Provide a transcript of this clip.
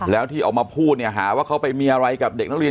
แล้วที่ออกมาพูดเนี่ยหาว่าเขาไปมีอะไรกับเด็กนักเรียน